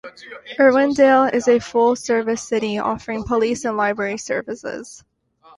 Irwindale is a full-service city, offering police and library services.